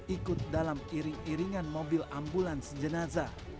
ikut dalam iring iringan mobil ambulans jenazah